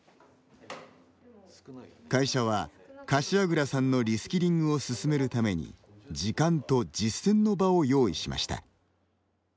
会社は、柏倉さんのリスキリングを進めるために時間と実践の場を用意しました。